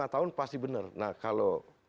lima tahun pasti benar nah kalau